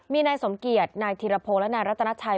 มีนายสมเกียจนายธีรพงศ์และนายรัตนาชัย